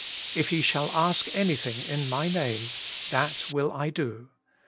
If ye shall ask anything in My name, that will I do.'